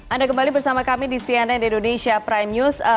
anda kembali bersama kami di cnn indonesia prime news